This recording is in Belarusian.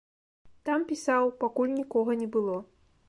Там пісаў, пакуль нікога не было.